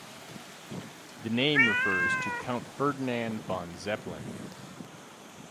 The name refers to Count Ferdinand von Zeppelin.